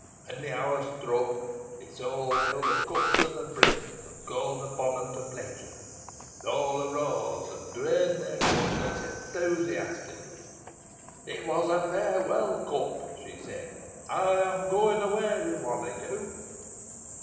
When the hour struck, Isole filled a cup to the brim, and called upon them to pledge her. All arose, and drained their goblets enthusiastically. 'It was a farewell cup,' she said; 'I am going away with one of you.'